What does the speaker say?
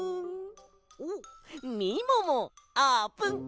おっみももあーぷん